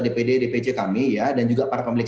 dpd dpc kami ya dan juga para pemilik